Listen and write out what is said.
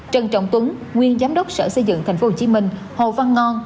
trần trọng tuấn nguyên giám đốc sở xây dựng thành phố hồ chí minh hồ văn ngon